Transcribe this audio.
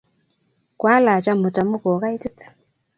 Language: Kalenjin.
Kwalach amut amu ko kaitit